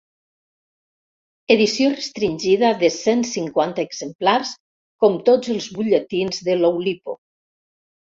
Edició restringida de cent cinquanta exemplars com tots els butlletins de l'Oulipo.